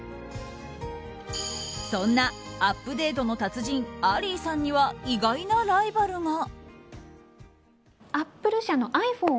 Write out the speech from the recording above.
そんなアップデートの達人アリーさんには意外なライバルが。